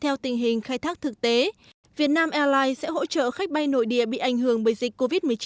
theo hình hình khai thác thực tế vietnam airlines sẽ hỗ trợ khách bay nội địa bị ảnh hưởng bởi dịch covid một mươi chín